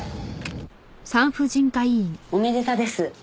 おめでたです。